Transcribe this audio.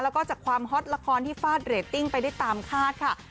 แล้วก็จากความฮอตละครที่ฟาดเรตติ้งไปได้ตามคาดค่ะ